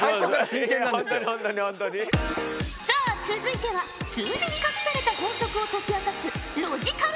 さあ続いては数字に隠された法則を解き明かすロジカル